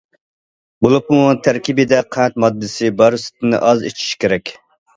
بولۇپمۇ تەركىبىدە قەنت ماددىسى بار سۈتنى ئاز ئىچىشى كېرەك.